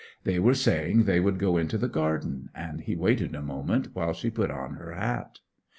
They were saying they would go into the garden; and he waited a moment while she put on her hat.